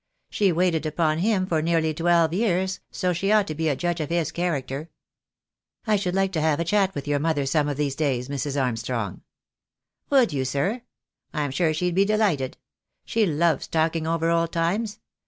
She waited upon him for nearly twelve years, so she ought to be a judge of his character." "I should like to have a chat with your mother some of these days, Mrs. Armstrong." "Would you, sir? I'm sure she'd be delighted. She loves talking over old times.